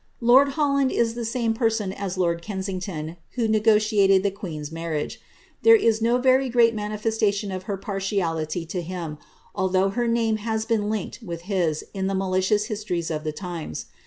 Lord Holland is the same person as lord Kensington, who negotiated the queen's marriage. There is no very great manifestation of her partiality to him, although her name has been linked with his in the malicious histories of the times.